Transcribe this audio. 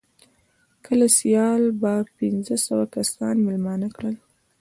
که سیال به پنځه سوه کسان مېلمانه کړل.